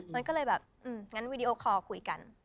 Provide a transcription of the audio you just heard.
มันก็เลยแบบงั้นวีดีโอคอลคุยกัน